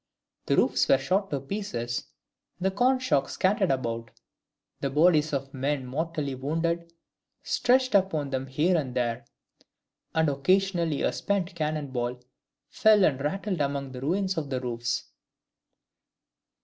The roofs were shot to pieces; the corn shocks scattered about, the bodies of men mortally wounded stretched upon them here and there; and occasionally a spent cannon ball fell and rattled among the ruins of the the roofs.